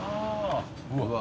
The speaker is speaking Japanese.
うわ。